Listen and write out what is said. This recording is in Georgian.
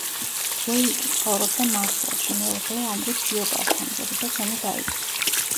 უეიკი ცხოვრობდა მარსელში, მეუღლე ანრი ფიოკასთან, როდესაც ომი დაიწყო.